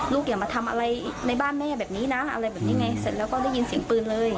อย่ามาทำอะไรในบ้านแม่แบบนี้นะอะไรแบบนี้ไงเสร็จแล้วก็ได้ยินเสียงปืนเลย